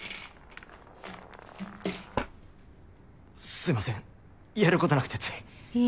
すみませんやることなくてつい。